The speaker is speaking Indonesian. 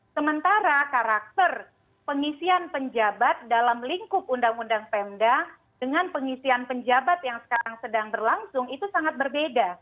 sementara karakter pengisian penjabat dalam lingkup undang undang pemda dengan pengisian penjabat yang sekarang sedang berlangsung itu sangat berbeda